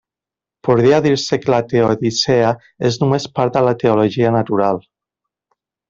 Podria dir-se que la teodicea és només part de la teologia natural.